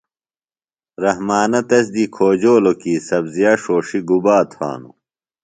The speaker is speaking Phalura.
رحمانہ تس دی کھوجولوۡ کی سبزِیہ ݜوݜیۡ گُبا تھانوۡ؟